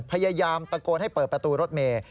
พยายามตะโกนให้เปิดประตูรถเมย์